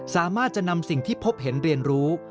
สามารถจะนำสิ่งที่พบเห็นเรียนรู้